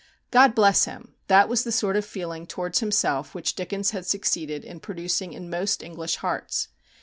God bless him! that was the sort of feeling towards himself which Dickens had succeeded in producing in most English hearts.